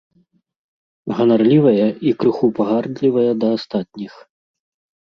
Ганарлівая і крыху пагардлівая да астатніх.